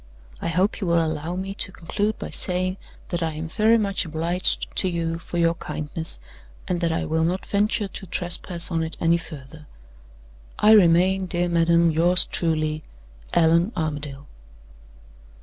I hope you will allow me to conclude by saying that I am very much obliged to you for your kindness, and that I will not venture to trespass on it any further. "I remain, dear madam, yours truly, "ALLAN ARMADALE."